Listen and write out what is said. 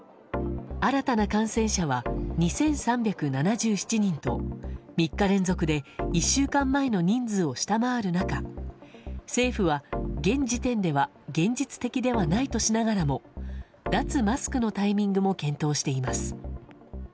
新たな感染者は２３７７人と３日連続で１週間前の人数を下回る中政府は現時点では現実的ではないとしながらも脱マスクのタイミングも検討しています。